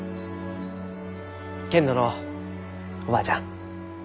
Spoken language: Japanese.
けんどのうおばあちゃん。